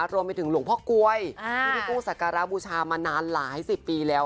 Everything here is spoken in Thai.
รวมไปถึงหลวงพ่อก๊วยพี่กุ้งสัตว์การราบบูชามาหลายสิบปีแล้ว